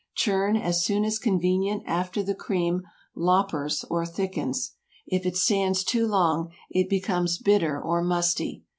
Churn as soon as convenient after the cream "loppers" or thickens. If it stands too long, it becomes bitter or musty.